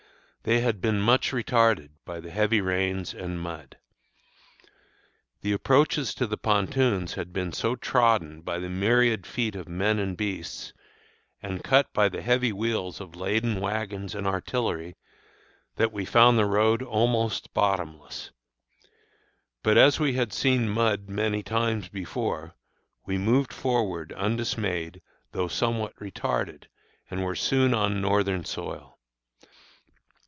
They had been much retarded by the heavy rains and mud. The approaches to the pontoons had been so trodden by the myriad feet of men and beasts, and cut by the heavy wheels of laden wagons and artillery, that we found the roads almost bottomless. But as we had seen mud many times before, we moved forward undismayed, though somewhat retarded, and were soon on Northern soil.